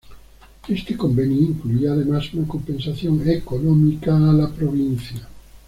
Este convenio incluía además una compensación económica a la provincia.